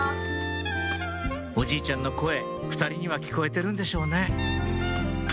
おじいちゃんの声２人には聞こえてるんでしょうね